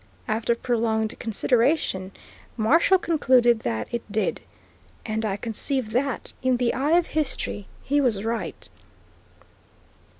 After prolonged consideration Marshall concluded that it did, and I conceive that, in the eye of history, he was right.